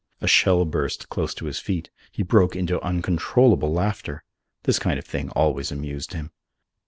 A shell burst close to his feet. He broke into uncontrolled laughter. This kind of thing always amused him.